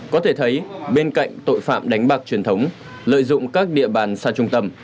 có thể thấy bên cạnh tội phạm đánh bạc truyền thống lợi dụng các địa bàn xa trung tâm